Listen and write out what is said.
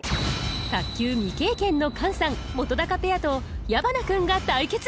卓球未経験のカンさん本ペアと矢花君が対決！